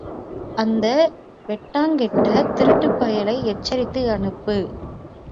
அந்த வெட்கங்கெட்ட திருட்டுப்பயலை எச்சரித்து அனுப்பு!